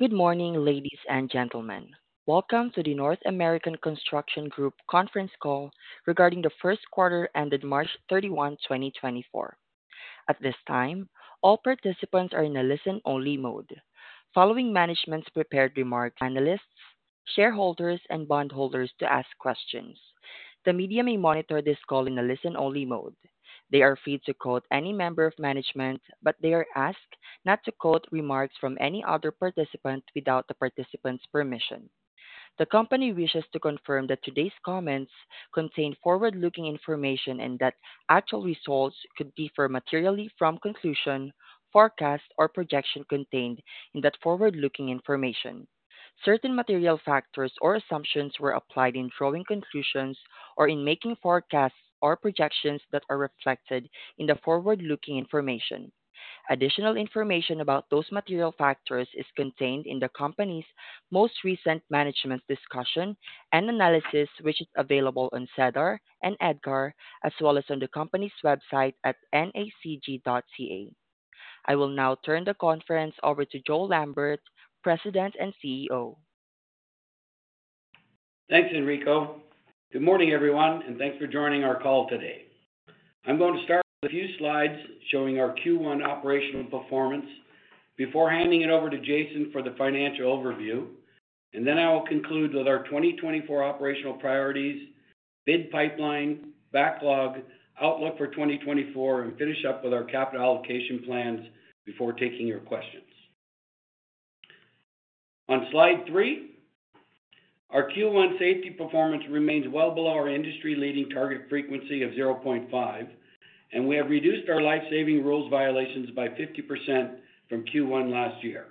Good morning, ladies and gentlemen. Welcome to the North American Construction Group Conference Call regarding the first quarter ended March 31, 2024. At this time, all participants are in a listen-only mode. Following management's prepared remarks, analysts, shareholders, and bondholders to ask questions. The media may monitor this call in a listen-only mode. They are free to quote any member of management, but they are asked not to quote remarks from any other participant without the participant's permission. The company wishes to confirm that today's comments contain forward-looking information and that actual results could differ materially from conclusion, forecast, or projection contained in that forward-looking information. Certain material factors or assumptions were applied in drawing conclusions or in making forecasts or projections that are reflected in the forward-looking information. Additional information about those material factors is contained in the company's most recent management discussion and analysis, which is available on SEDAR and EDGAR, as well as on the company's website at nacg.ca. I will now turn the conference over to Joe Lambert, President and CEO. Thanks, Enrico. Good morning, everyone, and thanks for joining our call today. I'm going to start with a few slides showing our Q1 operational performance before handing it over to Jason for the financial overview, and then I will conclude with our 2024 operational priorities, bid pipeline, backlog, outlook for 2024, and finish up with our capital allocation plans before taking your questions. On Slide three, our Q1 safety performance remains well below our industry-leading target frequency of 0.5, and we have reduced our life-saving rules violations by 50% from Q1 last year.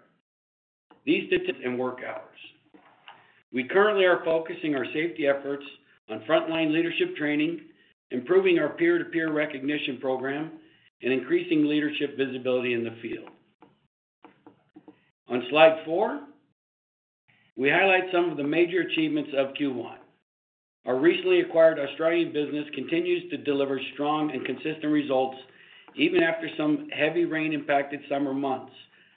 These and work hours. We currently are focusing our safety efforts on frontline leadership training, improving our peer-to-peer recognition program, and increasing leadership visibility in the field. On Slide four, we highlight some of the major achievements of Q1. Our recently acquired Australian business continues to deliver strong and consistent results even after some heavy rain-impacted summer months,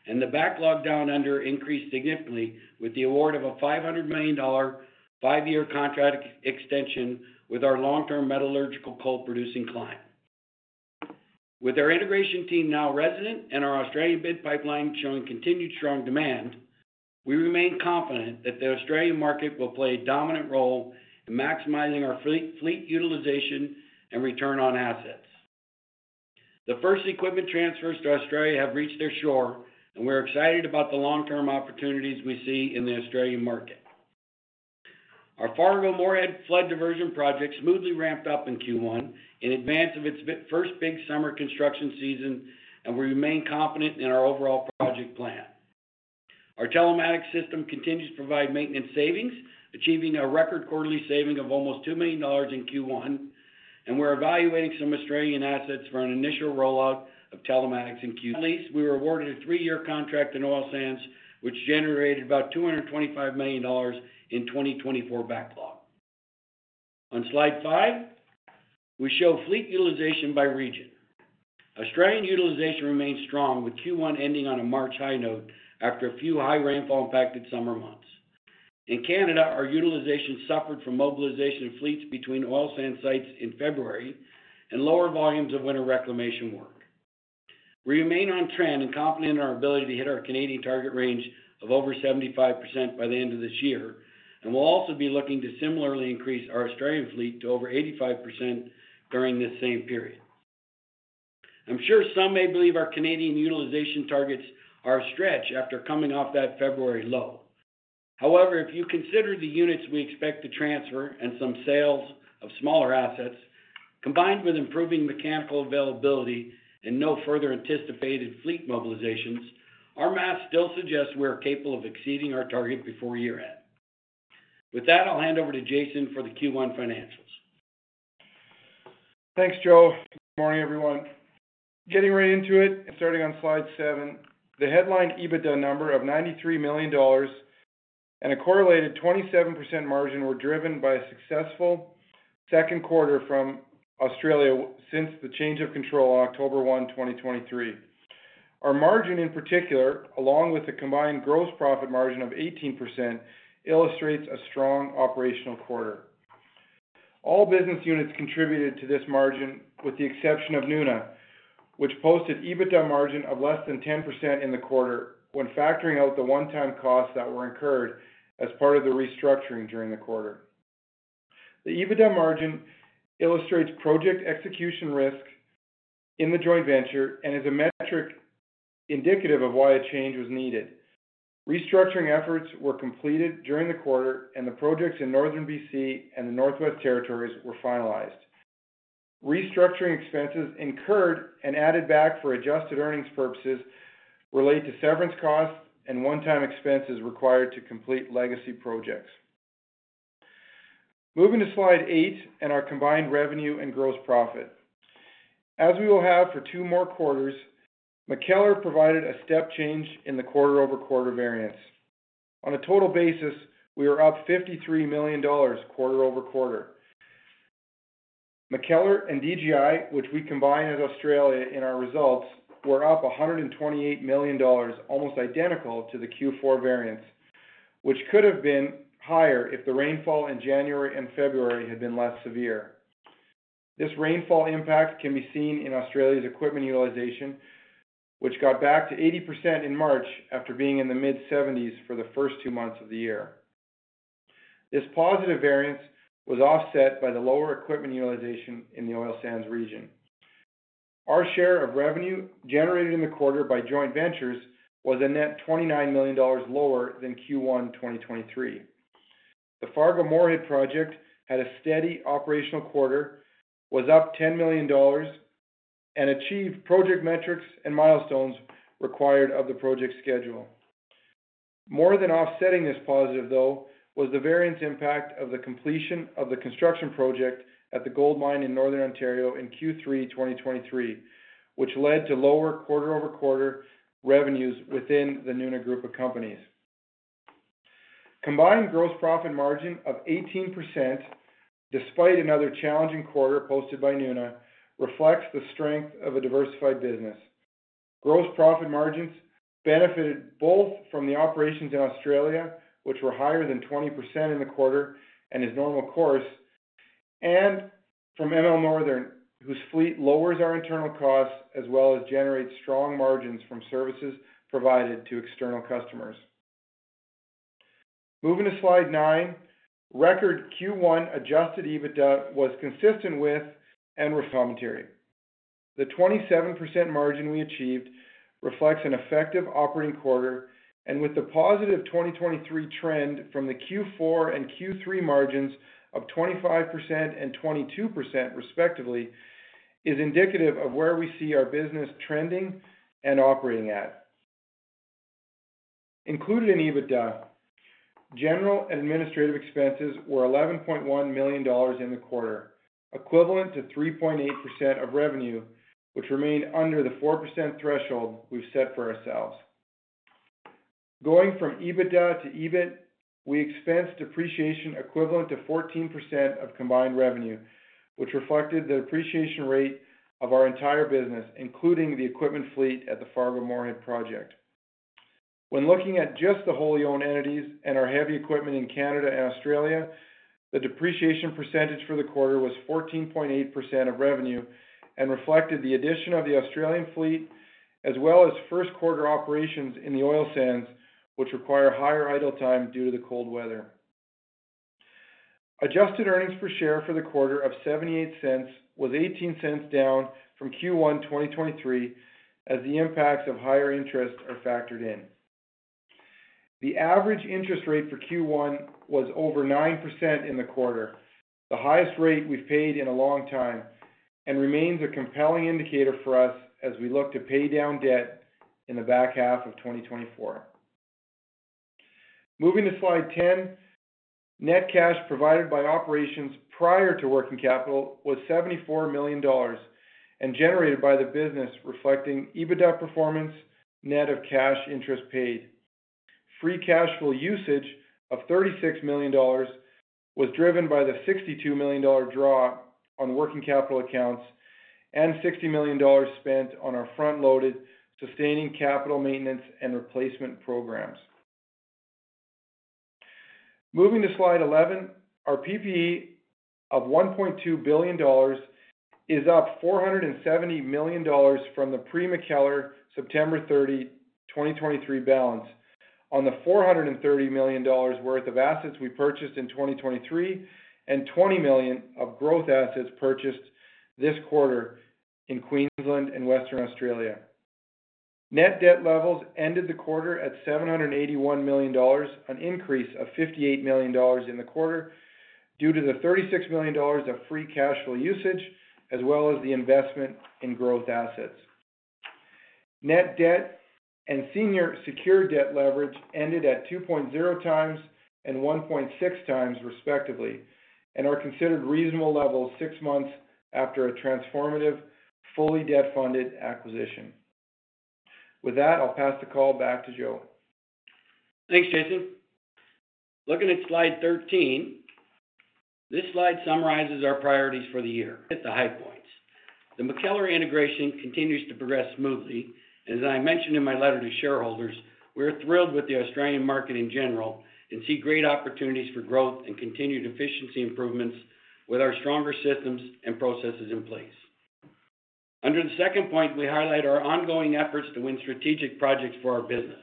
and the backlog down under increased significantly with the award of 500 million dollar, five-year contract extension with our long-term metallurgical coal-producing client. With our integration team now resident and our Australian bid pipeline showing continued strong demand, we remain confident that the Australian market will play a dominant role in maximizing our fleet utilization and return on assets. The first equipment transfers to Australia have reached their shore, and we're excited about the long-term opportunities we see in the Australian market. Our Fargo-Moorhead Flood Diversion Project smoothly ramped up in Q1 in advance of its first big summer construction season, and we remain confident in our overall project plan. Our telematics system continues to provide maintenance savings, achieving a record quarterly saving of almost 2 million dollars in Q1, and we're evaluating some Australian assets for an initial rollout of telematics in Q1. Lastly we were awarded a three-year contract in oil sands, which generated about 225 million dollars in 2024 backlog. On Slide five, we show fleet utilization by region. Australian utilization remains strong, with Q1 ending on a March high note after a few high rainfall impacted summer months. In Canada, our utilization suffered from mobilization of fleets between oil sand sites in February and lower volumes of winter reclamation work. We remain on trend and confident in our ability to hit our Canadian target range of over 75% by the end of this year, and we'll also be looking to similarly increase our Australian fleet to over 85% during this same period. I'm sure some may believe our Canadian utilization targets are a stretch after coming off that February low. However, if you consider the units we expect to transfer and some sales of smaller assets, combined with improving mechanical availability and no further anticipated fleet mobilizations, our math still suggests we are capable of exceeding our target before year-end. With that, I'll hand over to Jason for the Q1 financials. Thanks, Joe. Good morning, everyone. Getting right into it and starting on Slide seven, the headline EBITDA number of 93 million dollars and a correlated 27% margin were driven by a successful second quarter from Australia since the change of control on October 1, 2023. Our margin, in particular, along with the combined gross profit margin of 18%, illustrates a strong operational quarter. All business units contributed to this margin, with the exception of Nuna, which posted EBITDA margin of less than 10% in the quarter when factoring out the one-time costs that were incurred as part of the restructuring during the quarter. The EBITDA margin illustrates project execution risk in the joint venture and is a metric indicative of why a change was needed. Restructuring efforts were completed during the quarter, and the projects in Northern BC and the Northwest Territories were finalized. Restructuring expenses incurred and added back for adjusted earnings purposes relate to severance costs and one-time expenses required to complete legacy projects. Moving to Slide eight and our combined revenue and gross profit. As we will have for two more quarters, MacKellar provided a step change in the quarter-over-quarter variance. On a total basis, we are up 53 million dollars quarter-over-quarter. MacKellar and DGI, which we combine in Australia in our results, were up 128 million dollars, almost identical to the Q4 variance, which could have been higher if the rainfall in January and February had been less severe. This rainfall impact can be seen in Australia's equipment utilization, which got back to 80% in March after being in the mid-70s for the first two months of the year. This positive variance was offset by the lower equipment utilization in the oil sands region. Our share of revenue generated in the quarter by joint ventures was a net 29 million dollars lower than Q1 2023. The Fargo-Moorhead project had a steady operational quarter, was up 10 million dollars, and achieved project metrics and milestones required of the project schedule. More than offsetting this positive, though, was the variance impact of the completion of the construction project at the gold mine in Northern Ontario in Q3 2023, which led to lower quarter-over-quarter revenues within the Nuna Group of Companies. Combined gross profit margin of 18%, despite another challenging quarter posted by Nuna, reflects the strength of a diversified business. Gross profit margins benefited both from the operations in Australia, which were higher than 20% in the quarter and is normal course, and from ML Northern, whose fleet lowers our internal costs as well as generates strong margins from services provided to external customers. Moving to Slide nine. Record Q1 Adjusted EBITDA was consistent with and confirmatory. The 27% margin we achieved reflects an effective operating quarter, and with the positive 2023 trend from the Q4 and Q3 margins of 25% and 22% respectively, is indicative of where we see our business trending and operating at. Included in EBITDA, general administrative expenses were 11.1 million dollars in the quarter, equivalent to 3.8% of revenue, which remained under the 4% threshold we've set for ourselves. Going from EBITDA to EBIT, we expensed depreciation equivalent to 14% of combined revenue, which reflected the depreciation rate of our entire business, including the equipment fleet at the Fargo-Moorhead Project. When looking at just the wholly owned entities and our heavy equipment in Canada and Australia, the depreciation percentage for the quarter was 14.8% of revenue and reflected the addition of the Australian fleet, as well as first quarter operations in the oil sands, which require higher idle time due to the cold weather. Adjusted earnings per share for the quarter of 0.78 was 0.18 down from Q1 2023, as the impacts of higher interest are factored in. The average interest rate for Q1 was over 9% in the quarter, the highest rate we've paid in a long time, and remains a compelling indicator for us as we look to pay down debt in the back half of 2024. Moving to Slide 10. Net cash provided by operations prior to working capital was 74 million dollars and generated by the business reflecting EBITDA performance, net of cash interest paid. Free cash flow usage of 36 million dollars was driven by the 62 million dollar draw on working capital accounts and 60 million dollars spent on our front-loaded sustaining capital maintenance and replacement programs. Moving to Slide 11, our PPE of 1.2 billion dollars is up 470 million dollars from the pre-MacKellar, September 30, 2023 balance on the 430 million dollars worth of assets we purchased in 2023, and 20 million of growth assets purchased this quarter in Queensland and Western Australia. Net debt levels ended the quarter at 781 million dollars, an increase of 58 million dollars in the quarter due to the 36 million dollars of free cash flow usage, as well as the investment in growth assets. Net debt and senior secured debt leverage ended at 2.0x and 1.6x, respectively, and are considered reasonable levels six months after a transformative, fully debt-funded acquisition. With that, I'll pass the call back to Joe. Thanks, Jason. Looking at Slide 13, this slide summarizes our priorities for the year. At the high points. The MacKellar integration continues to progress smoothly. As I mentioned in my letter to shareholders, we are thrilled with the Australian market in general and see great opportunities for growth and continued efficiency improvements with our stronger systems and processes in place. Under the second point, we highlight our ongoing efforts to win strategic projects for our business.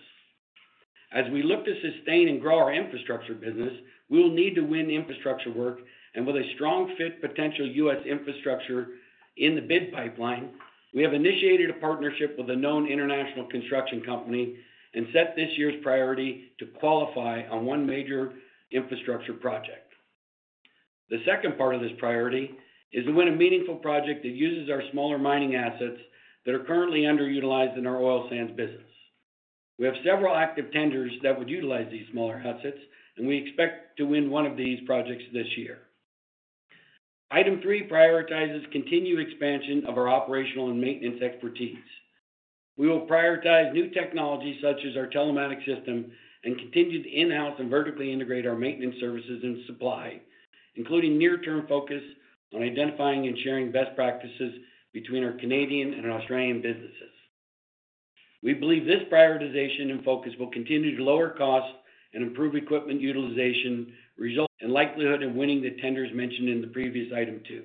As we look to sustain and grow our infrastructure business, we will need to win infrastructure work and, with a strong fit, potential US infrastructure in the bid pipeline, we have initiated a partnership with a known international construction company and set this year's priority to qualify on one major infrastructure project. The second part of this priority is to win a meaningful project that uses our smaller mining assets that are currently underutilized in our oil sands business. We have several active tenders that would utilize these smaller assets, and we expect to win one of these projects this year. Item three prioritizes continued expansion of our operational and maintenance expertise. We will prioritize new technologies such as our telematics system, and continue to in-house and vertically integrate our maintenance services and supply, including near-term focus on identifying and sharing best practices between our Canadian and Australian businesses. We believe this prioritization and focus will continue to lower costs and improve equipment utilization, result in likelihood of winning the tenders mentioned in the previous item two.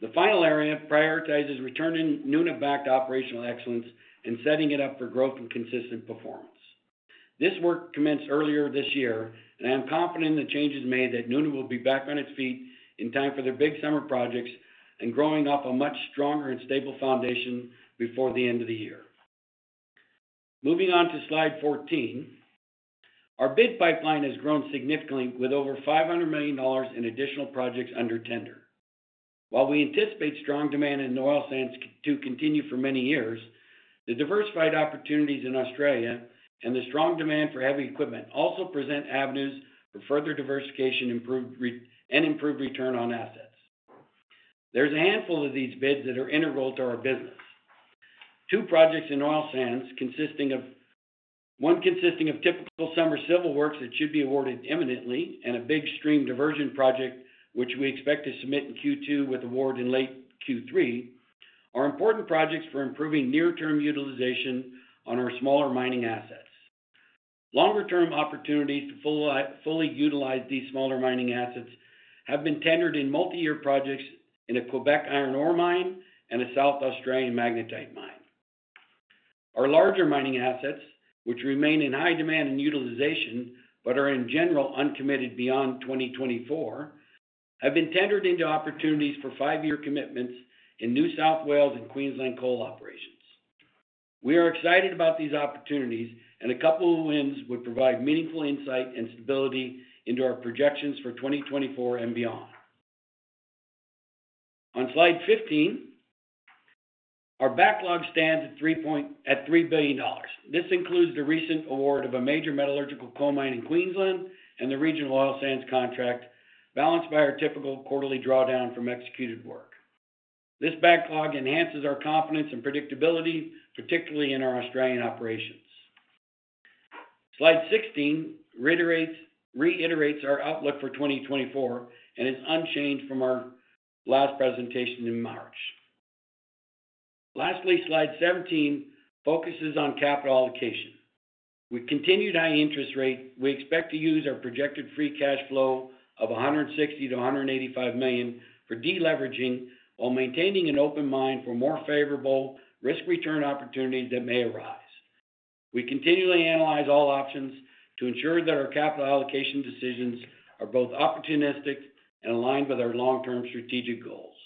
The final area prioritizes returning Nuna back to operational excellence and setting it up for growth and consistent performance. This work commenced earlier this year, and I am confident the changes made that Nuna will be back on its feet in time for their big summer projects and growing up a much stronger and stable foundation before the end of the year. Moving on to Slide 14. Our bid pipeline has grown significantly with over 500 million dollars in additional projects under tender. While we anticipate strong demand in oil sands to continue for many years, the diversified opportunities in Australia and the strong demand for heavy equipment also present avenues for further diversification, improved returns and improved return on assets. There's a handful of these bids that are integral to our business. Two projects in oil sands, consisting of one consisting of typical summer civil works that should be awarded imminently, and a big stream diversion project, which we expect to submit in Q2 with award in late Q3, are important projects for improving near-term utilization on our smaller mining assets. Longer-term opportunities to fully utilize these smaller mining assets have been tendered in multi-year projects in a Quebec iron ore mine and a South Australian magnetite mine. Our larger mining assets, which remain in high demand and utilization, but are in general uncommitted beyond 2024, have been tendered into opportunities for five-year commitments in New South Wales and Queensland coal operations. We are excited about these opportunities, and a couple of wins would provide meaningful insight and stability into our projections for 2024 and beyond. On Slide 15, our backlog stands at 3 billion dollars. This includes the recent award of a major metallurgical coal mine in Queensland and the regional oil sands contract, balanced by our typical quarterly drawdown from executed work. This backlog enhances our confidence and predictability, particularly in our Australian operations. Slide 16 reiterates our outlook for 2024, and it's unchanged from our last presentation in March. Lastly, Slide 17 focuses on capital allocation. With continued high interest rate, we expect to use our projected free cash flow of 160 million-185 million for deleveraging, while maintaining an open mind for more favorable risk-return opportunities that may arise. We continually analyze all options to ensure that our capital allocation decisions are both opportunistic and aligned with our long-term strategic goals.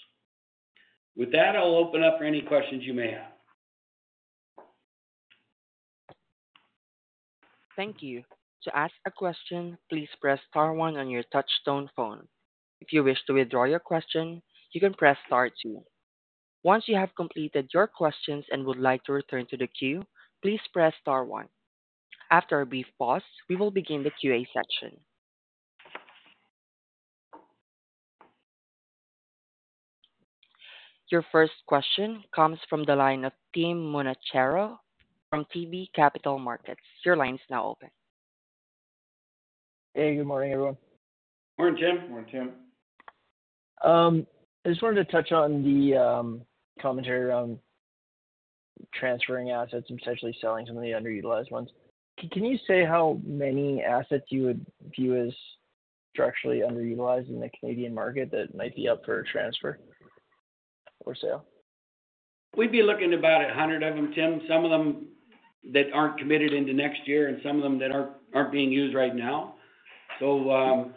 With that, I'll open up for any questions you may have. Thank you. To ask a question, please press star one on your touch tone phone. If you wish to withdraw your question, you can press star two. Once you have completed your questions and would like to return to the queue, please press star one. After a brief pause, we will begin the QA section. Your first question comes from the line of Tim Monachello from ATB Capital Markets. Your line is now open. Hey, good morning, everyone. Morning, Tim. Morning, Tim. I just wanted to touch on the commentary around transferring assets and potentially selling some of the underutilized ones. Can you say how many assets you would view as structurally underutilized in the Canadian market that might be up for a transfer or sale? We'd be looking about 100 of them, Tim. Some of them that aren't committed into next year and some of them that aren't being used right now. So,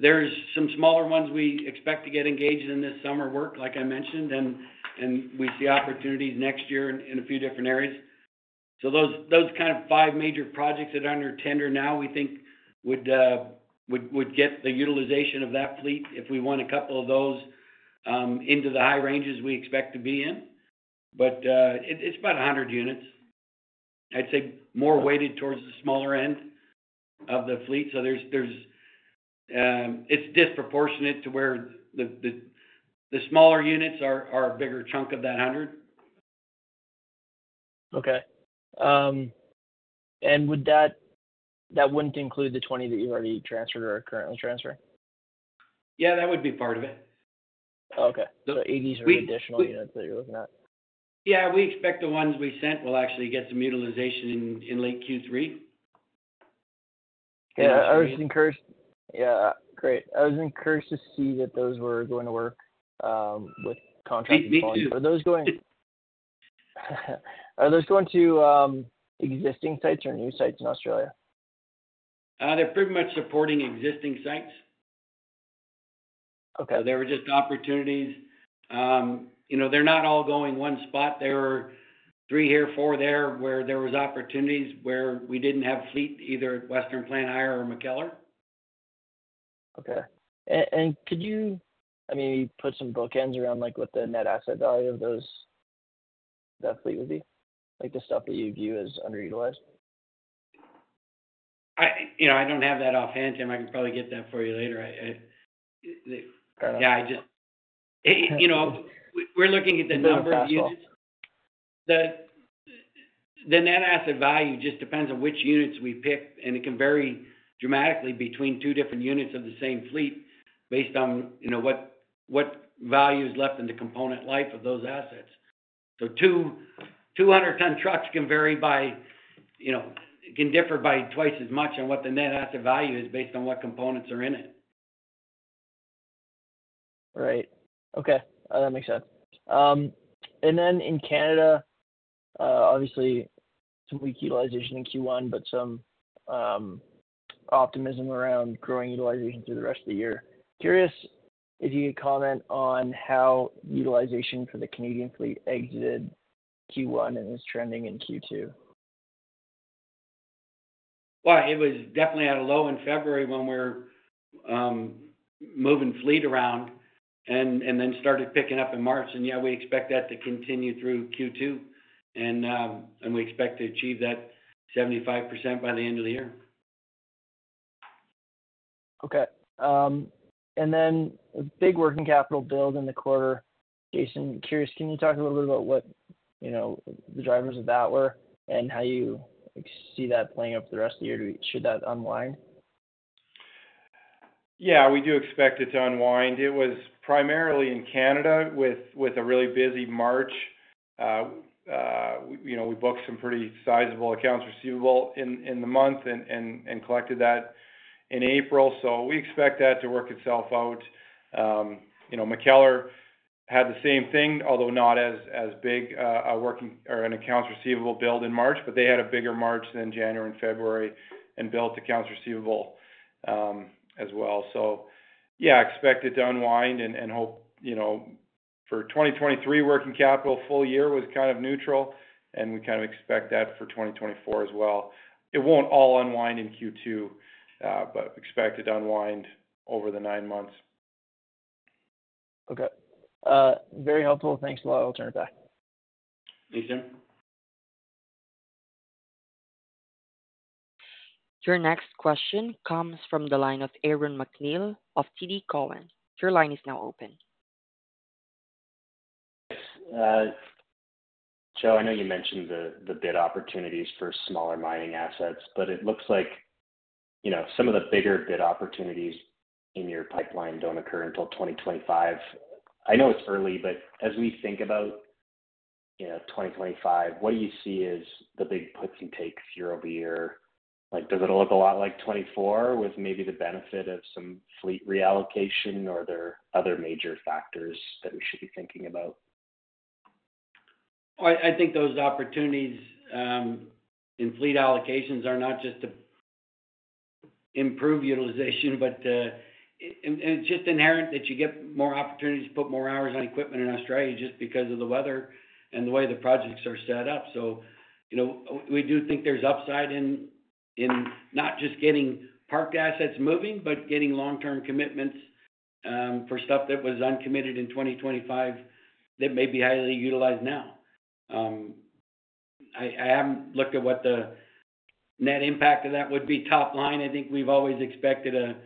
there's some smaller ones we expect to get engaged in this summer work, like I mentioned, and we see opportunities next year in a few different areas. So those kind of five major projects that are under tender now, we think would get the utilization of that fleet, if we won a couple of those, into the high ranges we expect to be in. But, it's about 100 units. I'd say more weighted towards the smaller end of the fleet. So there's. It's disproportionate to where the smaller units are a bigger chunk of that 100. Okay. And would that wouldn't include the 20 that you've already transferred or are currently transferring? Yeah, that would be part of it. Oh, okay. So- 80 are additional units that you're looking at? Yeah, we expect the ones we sent will actually get some utilization in late Q3. Yeah, I was encouraged... Yeah, great. I was encouraged to see that those were going to work, with contracts. Me, me too. Are those going to existing sites or new sites in Australia? They're pretty much supporting existing sites. Okay. They were just opportunities. You know, they're not all going one spot. There were three here, four there, where there was opportunities where we didn't have fleet, either Western Plant Hire or MacKellar. Okay. And could you, I mean, put some bookends around, like, what the net asset value of those, that fleet would be? Like, the stuff that you view as underutilized.... you know, I don't have that offhand, Tim. I can probably get that for you later. I, yeah, I just, you know, we're looking at the number of units. The net asset value just depends on which units we pick, and it can vary dramatically between two different units of the same fleet based on, you know, what value is left in the component life of those assets. So two 200-ton trucks can vary by, you know, can differ by twice as much on what the net asset value is, based on what components are in it. Right. Okay, that makes sense. And then in Canada, obviously, some weak utilization in Q1, but some optimism around growing utilization through the rest of the year. Curious if you could comment on how utilization for the Canadian fleet exited Q1 and is trending in Q2. Well, it was definitely at a low in February when we were moving fleet around, and then started picking up in March. And yeah, we expect that to continue through Q2, and we expect to achieve that 75% by the end of the year. Okay. And then a big working capital build in the quarter. Jason, curious, can you talk a little bit about what, you know, the drivers of that were, and how you see that playing out for the rest of the year? Should that unwind? Yeah, we do expect it to unwind. It was primarily in Canada with a really busy March. You know, we booked some pretty sizable accounts receivable in the month and collected that in April, so we expect that to work itself out. You know, MacKellar had the same thing, although not as big, a working or an accounts receivable build in March, but they had a bigger March than January and February and built accounts receivable as well. So, yeah, expect it to unwind and hope, you know, for 2023, working capital full year was kind of neutral, and we kind of expect that for 2024 as well. It won't all unwind in Q2, but expect it to unwind over the nine months. Okay. Very helpful. Thanks a lot. I'll turn it back. Thank you, Tim. Your next question comes from the line of Aaron MacNeil of TD Cowen. Your line is now open. Joe, I know you mentioned the bid opportunities for smaller mining assets, but it looks like, you know, some of the bigger bid opportunities in your pipeline don't occur until 2025. I know it's early, but as we think about, you know, 2025, what do you see as the big puts and takes year-over-year? Like, does it look a lot like 2024, with maybe the benefit of some fleet reallocation, or are there other major factors that we should be thinking about? I think those opportunities in fleet allocations are not just to improve utilization, but and it's just inherent that you get more opportunities to put more hours on equipment in Australia just because of the weather and the way the projects are set up. So, you know, we do think there's upside in not just getting parked assets moving, but getting long-term commitments for stuff that was uncommitted in 2025 that may be highly utilized now. I haven't looked at what the net impact of that would be. Top line, I think we've always expected a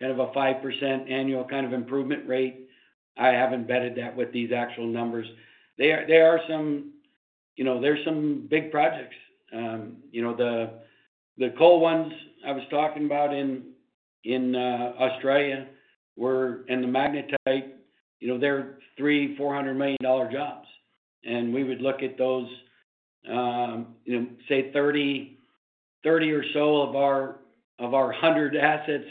kind of a 5% annual kind of improvement rate. I haven't embedded that with these actual numbers. There are some... You know, there are some big projects. You know, the coal ones I was talking about in Australia and the magnetite, you know, they're 300-400 million dollar jobs. And we would look at those, you know, say 30 or so of our 100 assets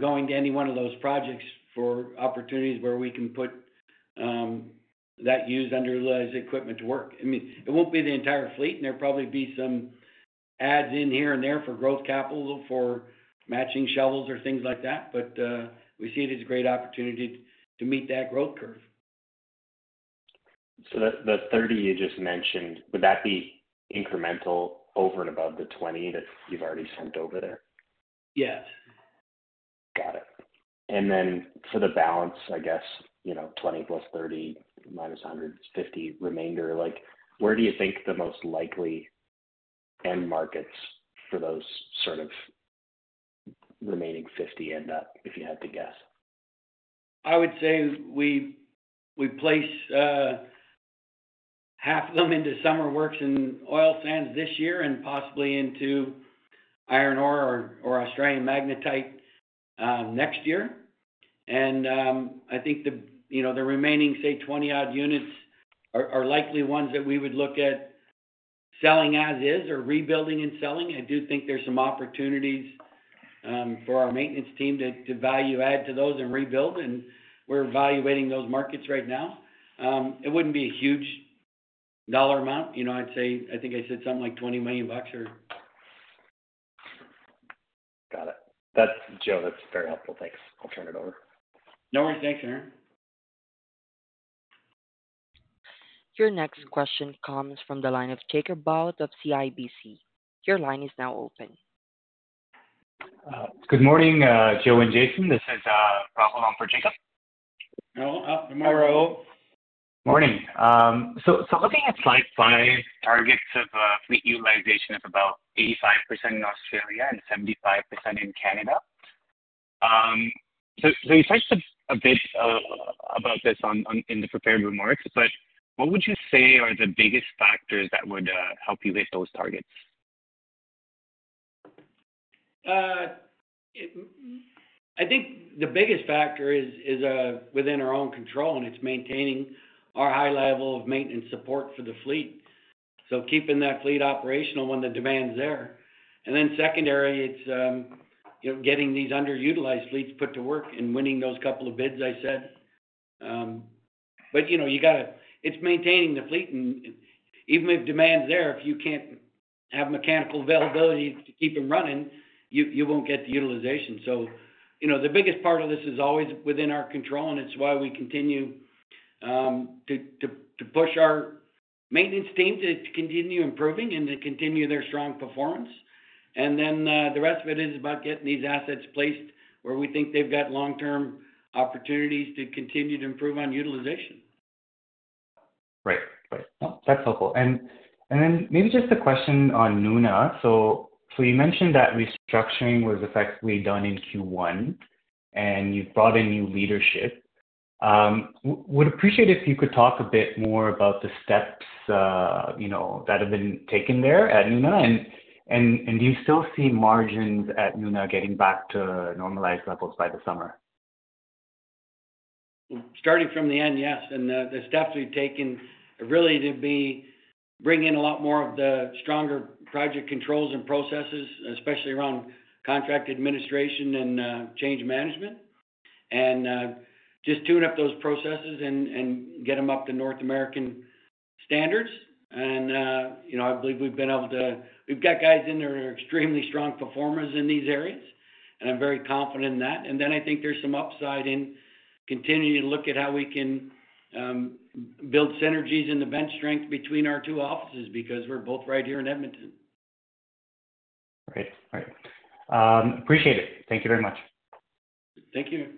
going to any one of those projects for opportunities where we can put that used, underutilized equipment to work. I mean, it won't be the entire fleet, and there'll probably be some adds in here and there for growth capital, for matching shovels or things like that, but we see it as a great opportunity to meet that growth curve. So the 30 you just mentioned, would that be incremental over and above the 20 that you've already sent over there? Yes. Got it. And then for the balance, I guess, you know, 20 plus 30 minus 100 is 50 remainder. Like, where do you think the most likely end markets for those sort of remaining 50 end up, if you had to guess? I would say we place half of them into summer works in oil sands this year, and possibly into iron ore or Australian magnetite next year. And I think the, you know, the remaining, say, 20-odd units are likely ones that we would look at selling as is or rebuilding and selling. I do think there's some opportunities for our maintenance team to value add to those and rebuild, and we're evaluating those markets right now. It wouldn't be a huge dollar amount. You know, I'd say, I think I said something like 20 million bucks or... Got it. That's, Joe, that's very helpful. Thanks. I'll turn it over. No worries. Thanks, Aaron. Your next question comes from the line of Jacob Bout of CIBC. Your line is now open. Good morning, Joe and Jason. This is Rahul, along with Jacob.... Good morning. Looking at Slide 5, targets of fleet utilization of about 85% in Australia and 75% in Canada. You talked a bit about this in the prepared remarks, but what would you say are the biggest factors that would help you with those targets? I think the biggest factor is within our own control, and it's maintaining our high level of maintenance support for the fleet. So keeping that fleet operational when the demand's there. And then secondary, it's you know, getting these underutilized fleets put to work and winning those couple of bids, I said. But you know, it's maintaining the fleet, and even if demand's there, if you can't have mechanical availability to keep them running, you won't get the utilization. So you know, the biggest part of this is always within our control, and it's why we continue to push our maintenance team to continue improving and to continue their strong performance. And then the rest of it is about getting these assets placed where we think they've got long-term opportunities to continue to improve on utilization. Right. Right. No, that's helpful. And then maybe just a question on Nuna. So you mentioned that restructuring was effectively done in Q1, and you've brought in new leadership. Would appreciate if you could talk a bit more about the steps, you know, that have been taken there at Nuna. And do you still see margins at Nuna getting back to normalized levels by the summer? Starting from the end, yes. And, the steps we've taken really to bring in a lot more of the stronger project controls and processes, especially around contract administration and change management. And, just tune up those processes and get them up to North American standards. And, you know, I believe we've been able to. We've got guys in there who are extremely strong performers in these areas, and I'm very confident in that. And then I think there's some upside in continuing to look at how we can build synergies and the bench strength between our two offices, because we're both right here in Edmonton. Great. All right. Appreciate it. Thank you very much. Thank you.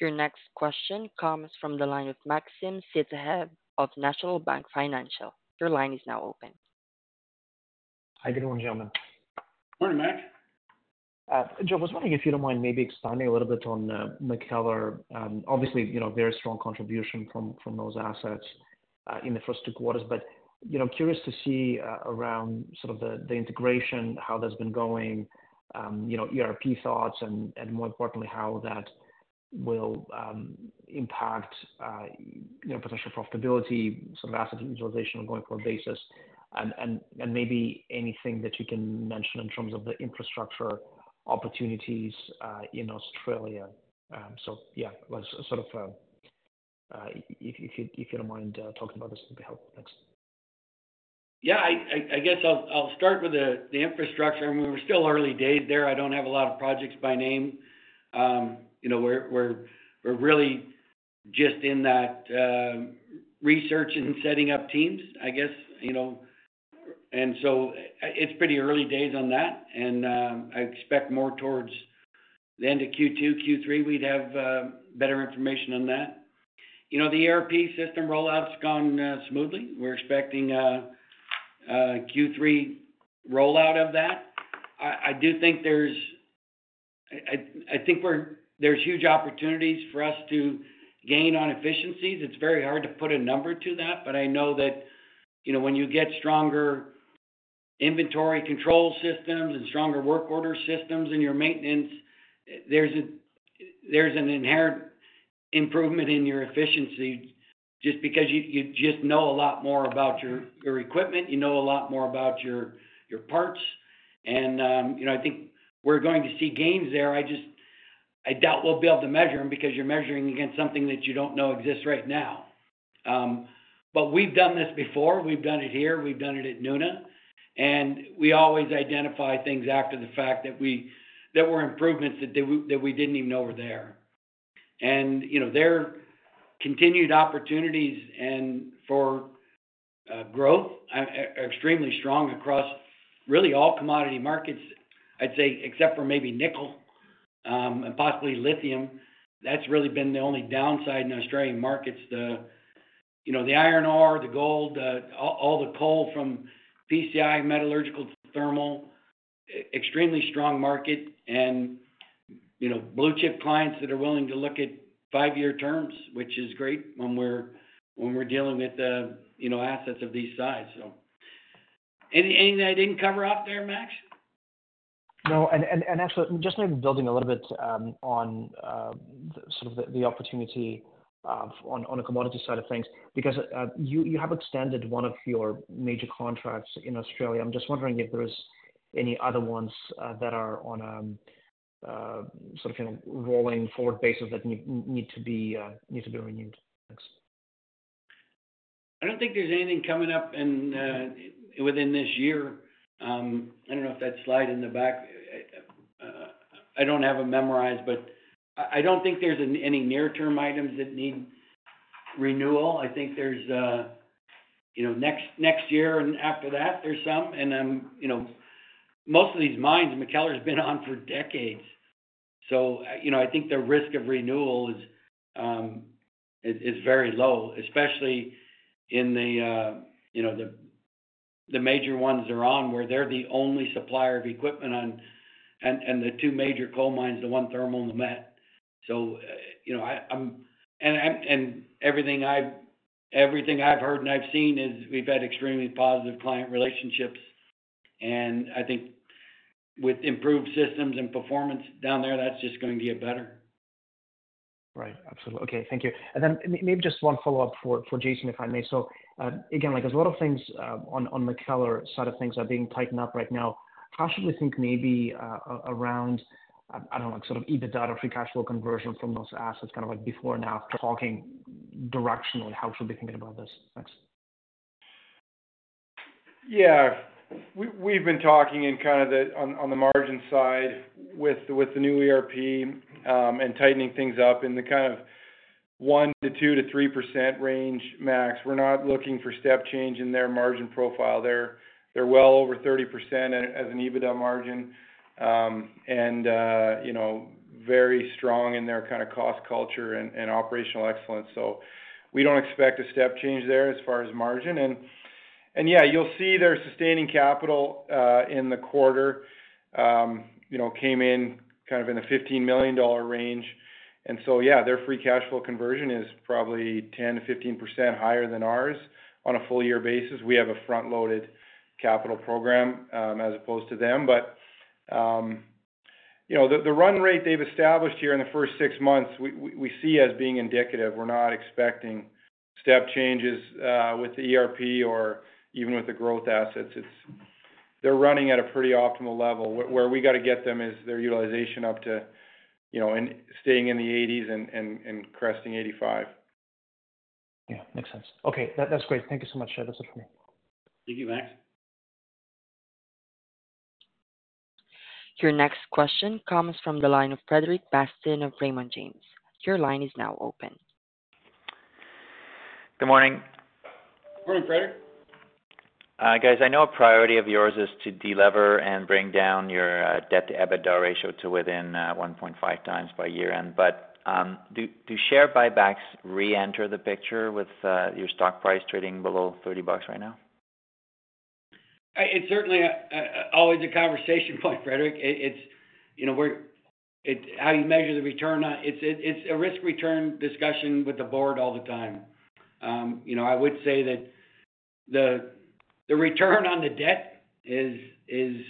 Your next question comes from the line of Maxim Sytchev of National Bank Financial. Your line is now open. Hi, good morning, gentlemen. Morning, Max. Joe, I was wondering if you don't mind maybe expanding a little bit on, MacKellar. Obviously, you know, very strong contribution from, from those assets, in the first two quarters. But, you know, curious to see, around sort of the, the integration, how that's been going, you know, ERP thoughts, and, and more importantly, how that will, impact, you know, potential profitability, some asset utilization on going forward basis. And, and, and maybe anything that you can mention in terms of the infrastructure opportunities, in Australia. So yeah, like, sort of, if you, if you don't mind, talking about this, it'd be helpful. Thanks. Yeah, I guess I'll start with the infrastructure. I mean, we're still early days there. I don't have a lot of projects by name. You know, we're really just in that research and setting up teams, I guess, you know. And so it's pretty early days on that, and I expect more towards the end of Q2, Q3, we'd have better information on that. You know, the ERP system rollout's gone smoothly. We're expecting a Q3 rollout of that. I do think there's huge opportunities for us to gain on efficiencies. It's very hard to put a number to that, but I know that, you know, when you get stronger inventory control systems and stronger work order systems in your maintenance, there's an inherent improvement in your efficiency, just because you just know a lot more about your equipment, you know a lot more about your parts. And you know, I think we're going to see gains there. I just, I doubt we'll be able to measure them, because you're measuring against something that you don't know exists right now. But we've done this before. We've done it here, we've done it at Nuna, and we always identify things after the fact that we, there were improvements that we didn't even know were there. And, you know, there are continued opportunities and for, growth, extremely strong across really all commodity markets, I'd say, except for maybe nickel, and possibly lithium. That's really been the only downside in Australian markets. The, you know, the iron ore, the gold, all, all the coal from PCI, metallurgical thermal, extremely strong market and, you know, blue-chip clients that are willing to look at five-year terms, which is great when we're, when we're dealing with, you know, assets of this size, so. Anything I didn't cover up there, Max? No. Actually, just maybe building a little bit on sort of the opportunity on the commodity side of things, because you have extended one of your major contracts in Australia. I'm just wondering if there's any other ones that are on sort of rolling forward basis that need to be renewed. Thanks. I don't think there's anything coming up within this year. I don't know if that slide in the back. I don't have it memorized, but I don't think there's any near-term items that need renewal. I think there's you know, next year and after that, there's some. And then, you know, most of these mines, MacKellar's been on for decades. So, you know, I think the risk of renewal is very low, especially in the you know, the major ones they're on, where they're the only supplier of equipment on and the two major coal mines, the one thermal and the met. So, you know, and everything I've heard and I've seen is we've had extremely positive client relationships. I think with improved systems and performance down there, that's just going to get better. Right. Absolutely. Okay, thank you. Then maybe just one follow-up for Jason, if I may. So, again, like, as a lot of things on MacKellar side of things are being tightened up right now, how should we think maybe around, I don't know, like sort of EBITDA or free cash flow conversion from those assets, kind of like before and after talking directionally, how should we be thinking about this? Thanks. Yeah. We've been talking in kind of the on the margin side with the new ERP and tightening things up in the kind of 1%-3% range, max. We're not looking for step change in their margin profile. They're well over 30% as an EBITDA margin, and you know, very strong in their kind of cost culture and operational excellence. So we don't expect a step change there as far as margin. And yeah, you'll see their sustaining capital in the quarter came in kind of in a 15 million dollar range. And so yeah, their free cash flow conversion is probably 10%-15% higher than ours on a full year basis. We have a front-loaded capital program as opposed to them. You know, the run rate they've established here in the first six months, we see as being indicative. We're not expecting step changes with the ERP or even with the growth assets. It's—they're running at a pretty optimal level. Where we got to get them is their utilization up to, you know, and staying in the 80s and cresting 85. Yeah, makes sense. Okay, that, that's great. Thank you so much. That's it for me. Thank you, Max. Your next question comes from the line of Frederic Bastien of Raymond James. Your line is now open. Good morning. Good morning, Frederic. Guys, I know a priority of yours is to delever and bring down your debt to EBITDA ratio to within 1.5x by year end. But, do share buybacks reenter the picture with your stock price trading below 30 bucks right now? It's certainly always a conversation point, Frederic. It's... You know, we're-- it's how you measure the return on-- it's a risk-return discussion with the board all the time. You know, I would say that the return on the debt is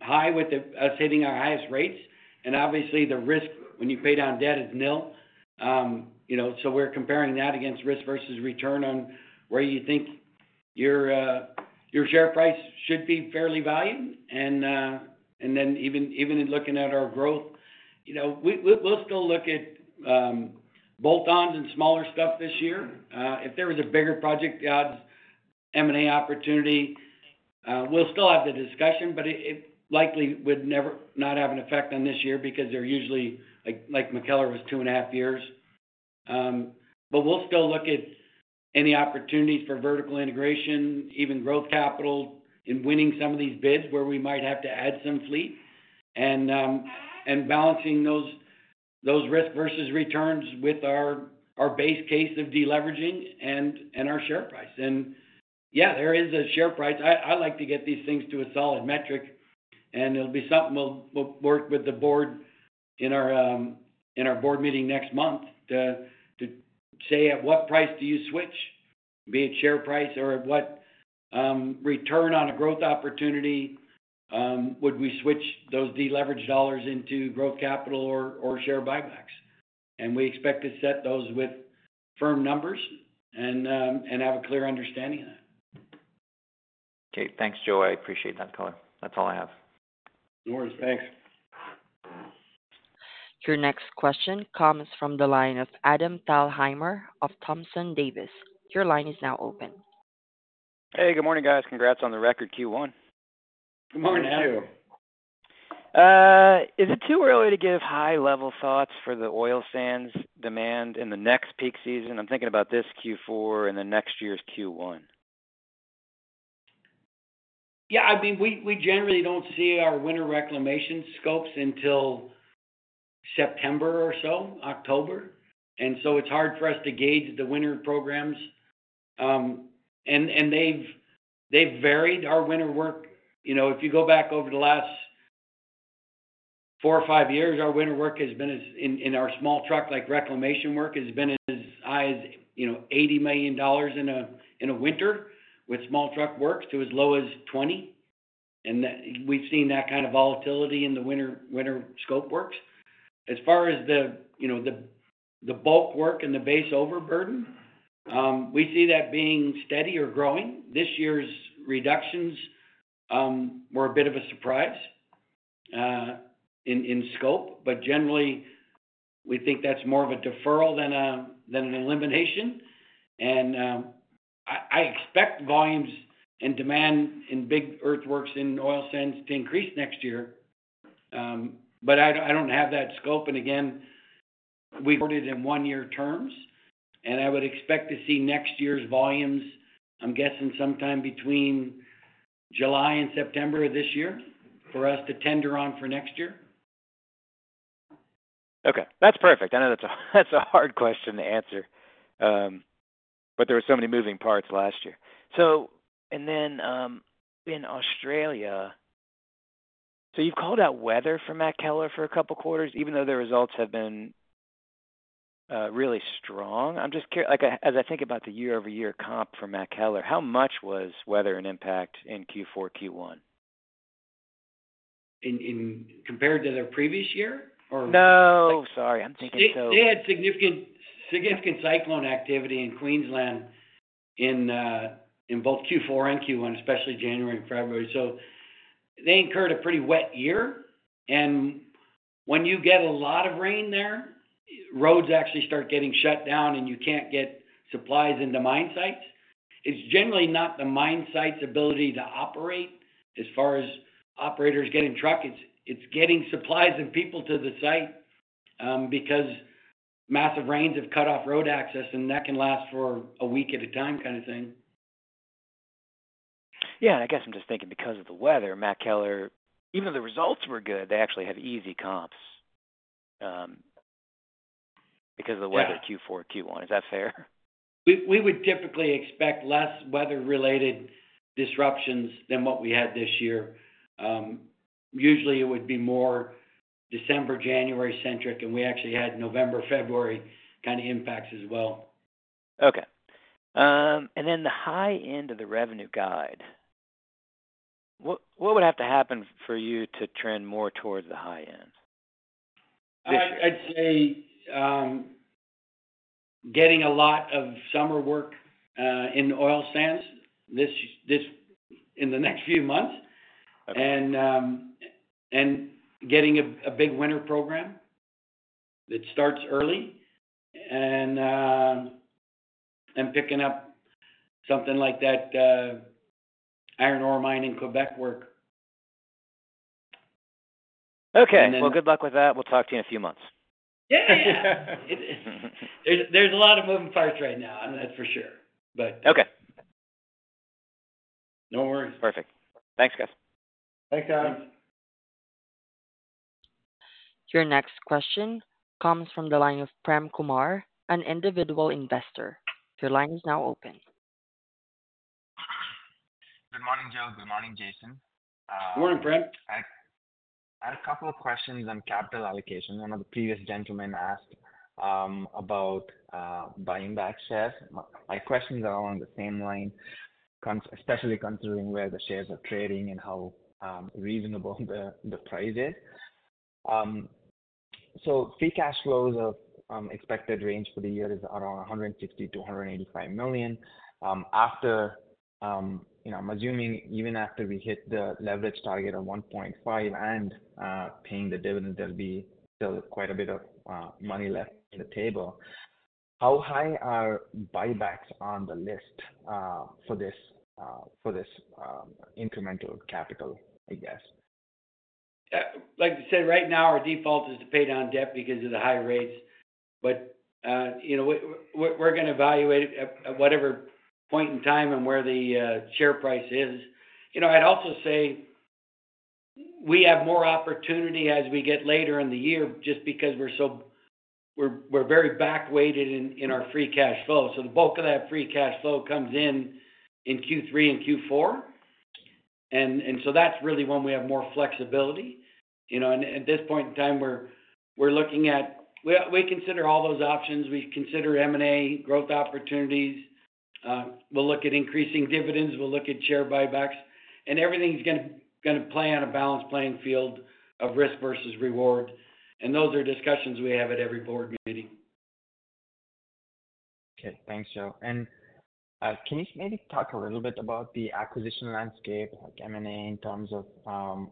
high with us hitting our highest rates. And obviously, the risk when you pay down debt is nil. You know, so we're comparing that against risk versus return on where you think your share price should be fairly valued. And then even in looking at our growth, you know, we, we'll still look at bolt-ons and smaller stuff this year. If there was a bigger project odds M&A opportunity, we'll still have the discussion, but it likely would never not have an effect on this year because they're usually, like, like MacKellar was 2.5 years. But we'll still look at any opportunities for vertical integration, even growth capital, in winning some of these bids, where we might have to add some fleet. And, and balancing those, those risk versus returns with our, our base case of deleveraging and, and our share price. And yeah, there is a share price. I like to get these things to a solid metric, and it'll be something we'll work with the board in our board meeting next month, to say, at what price do you switch, be it share price or at what return on a growth opportunity would we switch those deleverage dollars into growth capital or share buybacks? We expect to set those with firm numbers and have a clear understanding of that. Okay. Thanks, Joe. I appreciate that color. That's all I have. No worries. Thanks. Your next question comes from the line of Adam Thalhimer of Thompson Davis. Your line is now open. Hey, good morning, guys. Congrats on the record Q1. Good morning, Adam. Good morning. Is it too early to give high-level thoughts for the oil sands demand in the next peak season? I'm thinking about this Q4 and the next year's Q1. Yeah, I mean, we generally don't see our winter reclamation scopes until September or so, October. And so it's hard for us to gauge the winter programs. And they've varied our winter work. You know, if you go back over the last four or five years, our winter work has been as high as, you know, 80 million dollars in a winter with small truck works, to as low as 20 million. And we've seen that kind of volatility in the winter scope works. As far as the, you know, the bulk work and the base overburden, we see that being steady or growing. This year's reductions were a bit of a surprise in scope, but generally, we think that's more of a deferral than an elimination. I expect volumes and demand in big earthworks in oil sands to increase next year. But I don't have that scope, and again, we did in one-year terms, and I would expect to see next year's volumes, I'm guessing sometime between July and September of this year for us to tender on for next year. Okay, that's perfect. I know that's a hard question to answer. But there were so many moving parts last year. And then, in Australia, so you've called out weather for MacKellar for a couple of quarters, even though the results have been really strong. I'm just like, as I think about the year-over-year comp for MacKellar, how much was weather an impact in Q4, Q1? Compared to their previous year? Or- No. Sorry, I'm thinking so. They, they had significant, significant cyclone activity in Queensland in, in both Q4 and Q1, especially January and February. So they incurred a pretty wet year, and when you get a lot of rain there, roads actually start getting shut down, and you can't get supplies into mine sites. It's generally not the mine site's ability to operate as far as operators getting trucks. It's, it's getting supplies and people to the site, because massive rains have cut off road access, and that can last for a week at a time kind of thing. Yeah, I guess I'm just thinking because of the weather, MacKellar, even though the results were good, they actually had easy comps, because of the weather- Yeah... Q4, Q1. Is that fair? We would typically expect less weather-related disruptions than what we had this year. Usually, it would be more December, January-centric, and we actually had November, February kinda impacts as well. Okay. And then the high end of the revenue guide, what would have to happen for you to trend more towards the high end this year? I'd say getting a lot of summer work in oil sands in the next few months. Okay. And getting a big winter program that starts early, and picking up something like that iron ore mine in Quebec work. Okay. And then- Well, good luck with that. We'll talk to you in a few months. Yeah, yeah. It is... There's, there's a lot of moving parts right now, and that's for sure, but- Okay. No worries. Perfect. Thanks, guys. Thanks, guys. Your next question comes from the line of Prem Kumar, an individual investor. Your line is now open. Good morning, Joe. Good morning, Jason. Good morning, Prem. I had a couple of questions on capital allocation. One of the previous gentlemen asked about buying back shares. My questions are along the same line, especially considering where the shares are trading and how reasonable the price is. So free cash flows of expected range for the year is around 150 million-185 million. After you know, I'm assuming even after we hit the leverage target of 1.5 and paying the dividend, there'll be still quite a bit of money left on the table. How high are buybacks on the list for this incremental capital, I guess? Like I said, right now, our default is to pay down debt because of the high rates. But, you know, we're gonna evaluate at whatever point in time and where the share price is. You know, I'd also say we have more opportunity as we get later in the year just because we're very back weighted in our free cash flow. So the bulk of that free cash flow comes in Q3 and Q4. And so that's really when we have more flexibility. You know, and at this point in time, we're looking at. We consider all those options. We consider M&A, growth opportunities, we'll look at increasing dividends, we'll look at share buybacks, and everything's gonna play on a balanced playing field of risk versus reward. Those are discussions we have at every board meeting. Okay, thanks, Joe. And can you maybe talk a little bit about the acquisition landscape, like M&A, in terms of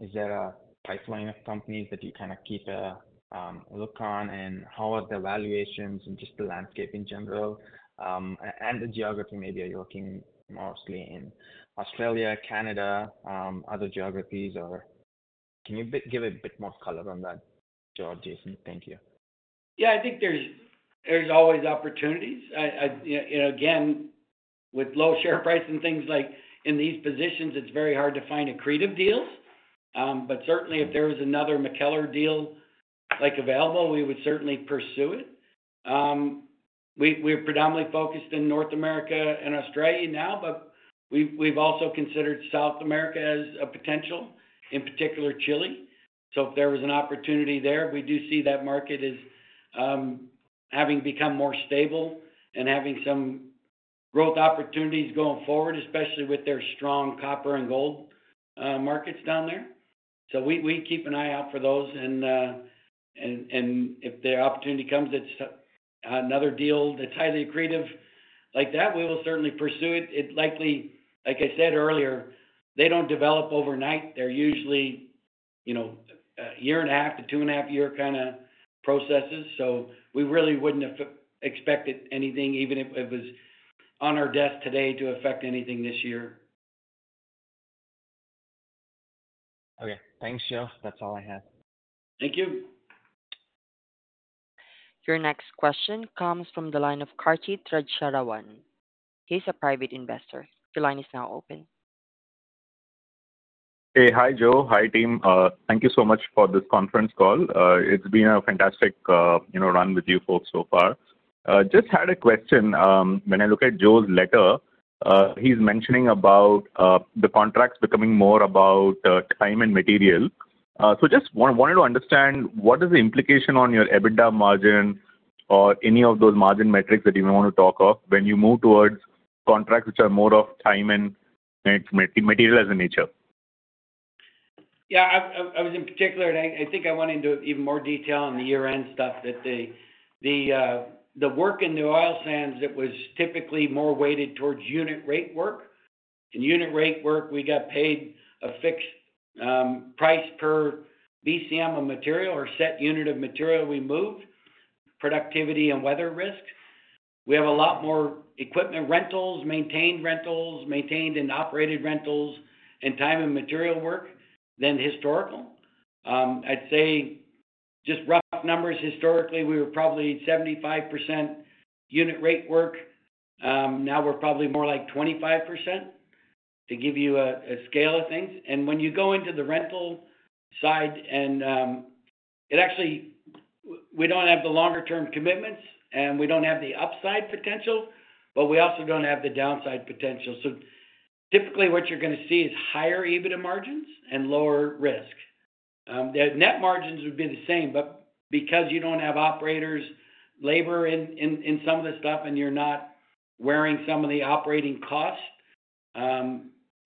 is there a pipeline of companies that you kind of keep a look on? And how are the valuations and just the landscape in general, and the geography? Maybe you're working mostly in Australia, Canada, other geographies, or can you give a bit more color on that, Joe or Jason? Thank you. Yeah, I think there's always opportunities. You know, again, with low share price and things like in these positions, it's very hard to find accretive deals. But certainly, if there was another MacKellar deal like available, we would certainly pursue it. We're predominantly focused in North America and Australia now, but we've also considered South America as a potential, in particular, Chile. So if there was an opportunity there, we do see that market as having become more stable and having some growth opportunities going forward, especially with their strong copper and gold markets down there. So we keep an eye out for those, and if the opportunity comes, it's another deal that's highly accretive. Like that, we will certainly pursue it. It likely, like I said earlier, they don't develop overnight. They're usually, you know, a 1.5-2.5-year kinda processes, so we really wouldn't have expected anything, even if it was on our desk today to affect anything this year. Okay, thanks, Joe. That's all I had. Thank you. Your next question comes from the line of Karti Treasharawan. He's a private investor. Your line is now open. Hey. Hi, Joe. Hi, team. Thank you so much for this conference call. It's been a fantastic, you know, run with you folks so far. Just had a question. When I look at Joe's letter, he's mentioning about the contracts becoming more about time and material. So just wanted to understand, what is the implication on your EBITDA margin or any of those margin metrics that you want to talk of when you move towards contracts which are more of time and material as in nature? Yeah, I was in particular, and I think I went into even more detail on the year-end stuff, that the work in the oil sands, that was typically more weighted towards unit rate work. In unit rate work, we got paid a fixed price per BCM of material or set unit of material we moved, productivity and weather risks. We have a lot more equipment rentals, maintained rentals, maintained and operated rentals, and time and material work than historical. I'd say just rough numbers, historically, we were probably 75% unit rate work. Now we're probably more like 25%, to give you a scale of things. And when you go into the rental side and... It actually, we don't have the longer term commitments, and we don't have the upside potential, but we also don't have the downside potential. So typically, what you're gonna see is higher EBITDA margins and lower risk. The net margins would be the same, but because you don't have operators, labor in some of the stuff, and you're not wearing some of the operating costs,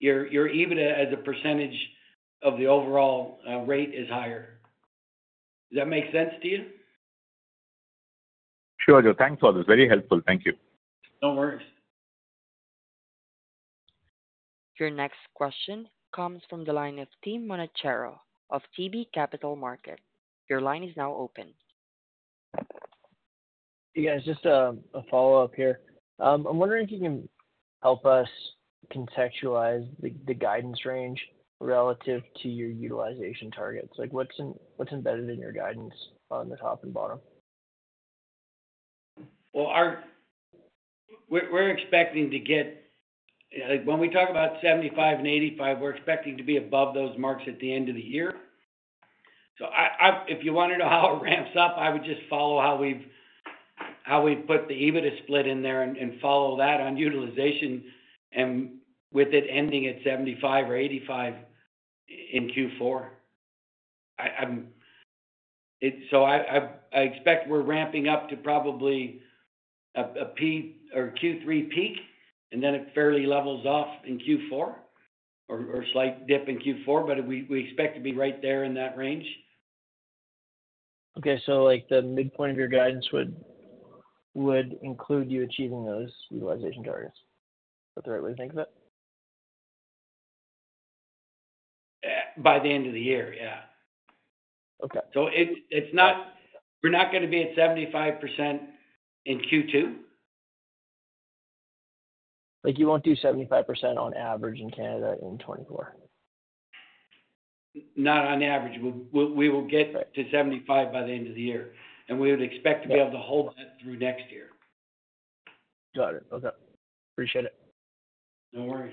your EBITDA as a percentage of the overall rate is higher. Does that make sense to you? Sure, Joe. Thanks for this. Very helpful. Thank you. No worries. Your next question comes from the line of Tim Monachello of ATB Capital Markets. Your line is now open. Hey, guys, just a follow-up here. I'm wondering if you can help us contextualize the guidance range relative to your utilization targets. Like, what's in, what's embedded in your guidance on the top and bottom? Well, we're expecting to get... Like, when we talk about 75 and 85, we're expecting to be above those marks at the end of the year. So if you want to know how it ramps up, I would just follow how we've put the EBITDA split in there and follow that on utilization, and with it ending at 75 or 85 in Q4. So I expect we're ramping up to probably a peak or Q3 peak, and then it fairly levels off in Q4 or slight dip in Q4, but we expect to be right there in that range. Okay, so like the midpoint of your guidance would include you achieving those utilization targets. Is that the right way to think of it? By the end of the year, yeah. Okay. So, it's not – we're not gonna be at 75% in Q2. Like, you won't do 75% on average in Canada in 2024? Not on average. We will get- Right... to 75 by the end of the year, and we would expect to be able to hold that through next year. Got it. Okay. Appreciate it. No worry.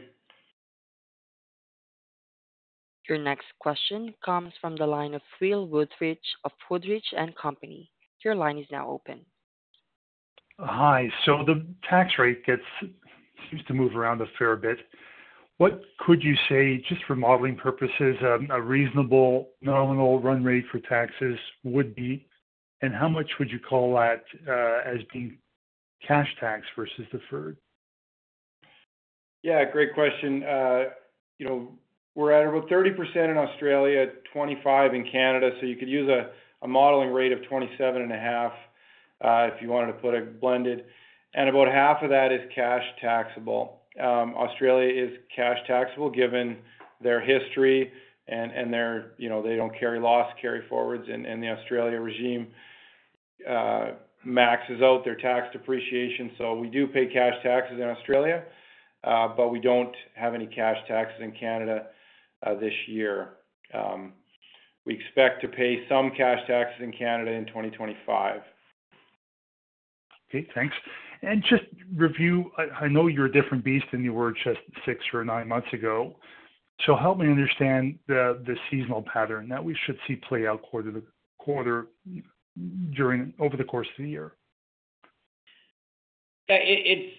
Your next question comes from the line of Phil Woodbridge of Woodbridge & Company. Your line is now open. Hi. So the tax rate seems to move around a fair bit. What could you say, just for modeling purposes, a reasonable nominal run rate for taxes would be? And how much would you call that, as being cash tax versus deferred? Yeah, great question. You know, we're at about 30% in Australia, 25% in Canada, so you could use a modeling rate of 27.5%, if you wanted to put a blended. And about half of that is cash taxable. Australia is cash taxable, given their history and, and their, you know, they don't carry loss carryforwards, and, and the Australia regime maxes out their tax depreciation. So we do pay cash taxes in Australia, but we don't have any cash taxes in Canada, this year. We expect to pay some cash taxes in Canada in 2025. Okay, thanks. And just review, I know you're a different beast than you were just six or nine months ago, so help me understand the seasonal pattern that we should see play out quarter to quarter during, over the course of the year. It's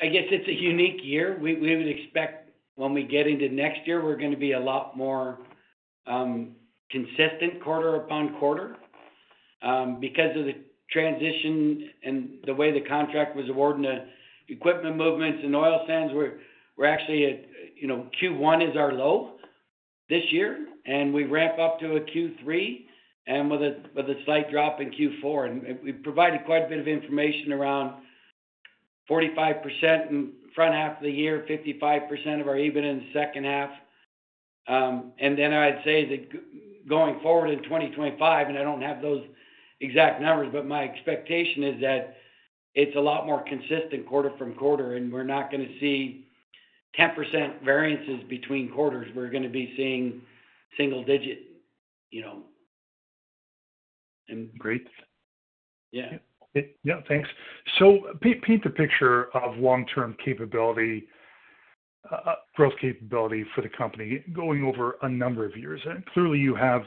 a unique year. We would expect when we get into next year, we're gonna be a lot more consistent quarter upon quarter. Because of the transition and the way the contract was awarded, the equipment movements and oil sands, we're actually at, you know, Q1 is our low this year, and we ramp up to a Q3, and with a slight drop in Q4. We've provided quite a bit of information around 45% in front half of the year, 55% of our EBITDA in the second half. And then I'd say that going forward in 2025, and I don't have those exact numbers, but my expectation is that it's a lot more consistent quarter from quarter, and we're not gonna see 10% variances between quarters. We're gonna be seeing single digit, you know, and- Great. Yeah. Yeah, thanks. So paint the picture of long-term capability, growth capability for the company going over a number of years. Clearly, you have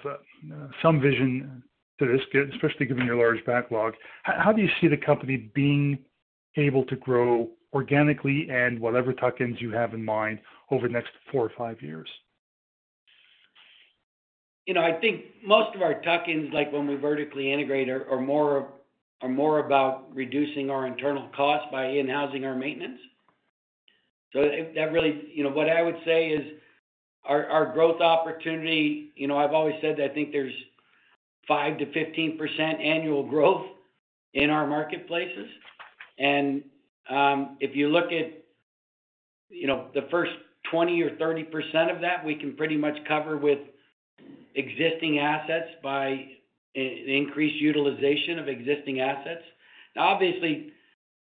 some vision to this, especially given your large backlog. How do you see the company being able to grow organically and whatever tuck-ins you have in mind over the next four or five years? You know, I think most of our tuck-ins, like when we vertically integrate, are more about reducing our internal costs by in-housing our maintenance. So that really, you know, what I would say is our growth opportunity. You know, I've always said, I think there's 5%-15% annual growth in our marketplaces. And if you look at, you know, the first 20% or 30% of that, we can pretty much cover with existing assets by increased utilization of existing assets. Obviously,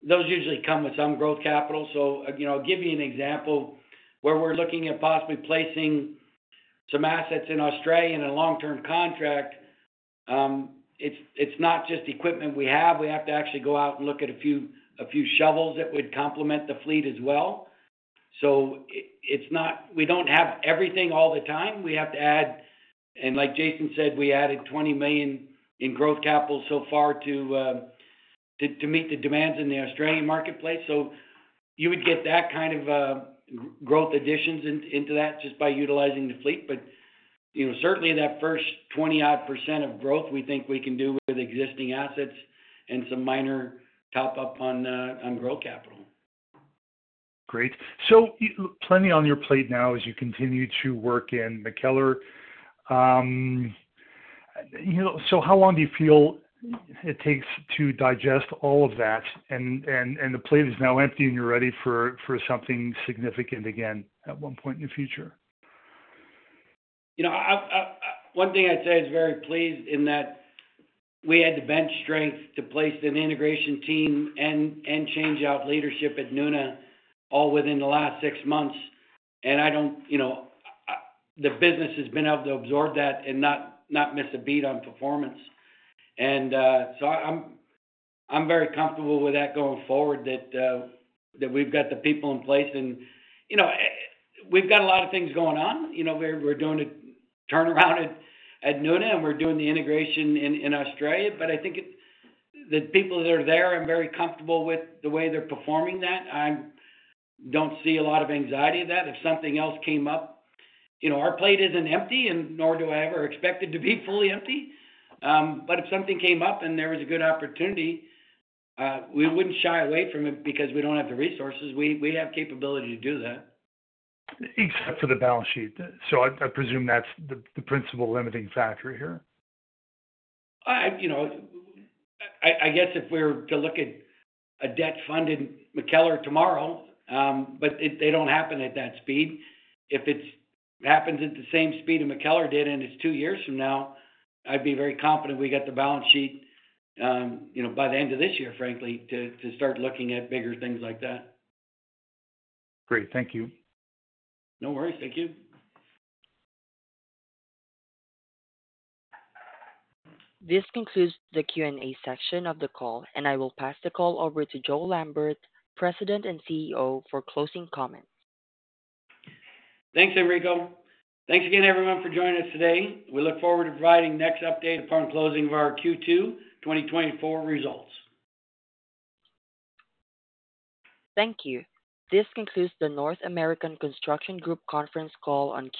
those usually come with some growth capital. So, you know, I'll give you an example where we're looking at possibly placing some assets in Australia in a long-term contract. It's not just equipment we have. We have to actually go out and look at a few shovels that would complement the fleet as well. So it's not -- we don't have everything all the time. We have to add... And like Jason said, we added 20 million in growth capital so far to meet the demands in the Australian marketplace. So you would get that kind of growth additions into that just by utilizing the fleet. But, you know, certainly that first 20-odd% of growth, we think we can do with existing assets and some minor top up on growth capital. Great. So plenty on your plate now as you continue to work in MacKellar. You know, so how long do you feel it takes to digest all of that, and the plate is now empty and you're ready for something significant again at one point in the future? You know, one thing I'd say is very pleased in that we had the bench strength to place an integration team and change out leadership at Nuna all within the last six months. And I don't—you know, the business has been able to absorb that and not miss a beat on performance. And, so I'm very comfortable with that going forward, that we've got the people in place. And, you know, we've got a lot of things going on. You know, we're doing a turnaround at Nuna, and we're doing the integration in Australia. But I think it—the people that are there are very comfortable with the way they're performing that. I don't see a lot of anxiety in that. If something else came up, you know, our plate isn't empty, and nor do I ever expect it to be fully empty. But if something came up and there was a good opportunity, we wouldn't shy away from it because we don't have the resources. We have capability to do that. Except for the balance sheet. So I presume that's the principal limiting factor here. You know, I guess if we were to look at a debt-funded MacKellar tomorrow, but it, they don't happen at that speed. If it happens at the same speed that MacKellar did, and it's two years from now, I'd be very confident we got the balance sheet, you know, by the end of this year, frankly, to start looking at bigger things like that. Great. Thank you. No worries. Thank you. This concludes the Q&A section of the call, and I will pass the call over to Joe Lambert, President and CEO, for closing comments. Thanks, Enrico. Thanks again, everyone, for joining us today. We look forward to providing next update upon closing of our Q2 2024 results. Thank you. This concludes the North American Construction Group conference call on